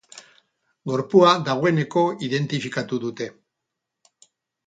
Gorpua dagoeneko identifikatu dute.